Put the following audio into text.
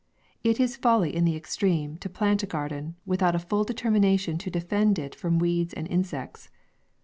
It is folly in the extreme, to plant a garden, without a full determination to defend it from weeds and insects.